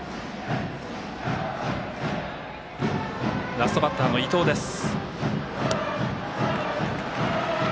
ラストバッターの伊藤です。